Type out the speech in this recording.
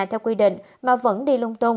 theo quy định mà vẫn đi lung tung